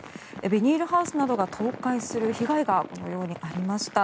ビニールハウスなどが倒壊する被害がこのようにありました。